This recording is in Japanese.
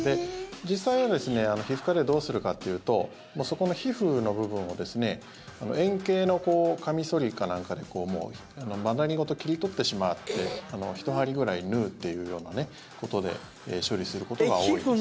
実際は皮膚科ではどうするかというとそこの皮膚の部分を円形のカミソリか何かでマダニごと切り取ってしまって１針くらい縫うというようなことで処理することが多いです。